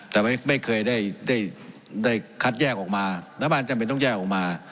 แต่ไม่เคยได้คัดแยกออกมารัฐบาลจำเป็นต้องแยกออกมา